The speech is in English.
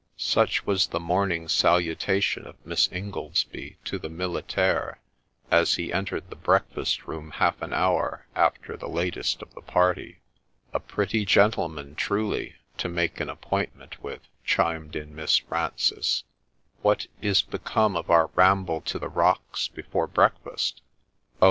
' Such was the morning salutation of Miss Ingoldsby to the miliiaire as he entered the breakfast room half an hour after the latest of the party. 4 A pretty gentleman, truly, to make an appointment with,' chimed in Miss Frances. ' What is become of our ramble to the rocks before breakfast ?'' Oh